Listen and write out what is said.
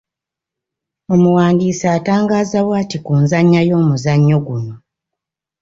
Omuwandiisi atangaaza bw’ati ku nzannya y’omuzannyo guno.